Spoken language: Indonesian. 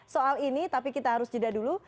soal ini tapi kita harus jeda dulu